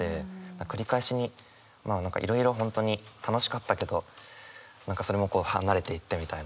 「繰り返し」にいろいろ本当に楽しかったけど何かそれも離れていったみたいな。